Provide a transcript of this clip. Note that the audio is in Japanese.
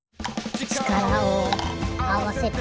「力をあわせて」